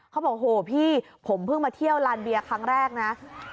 เขาบอกโหพี่ผมเพิ่งมาเที่ยวลานเบียครั้งแรกนะ